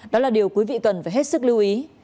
đó là điều quý vị cần phải hết sức lưu ý